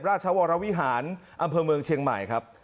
ราชวรวิหารอำเภอเมืองเชียงใหม่ครับ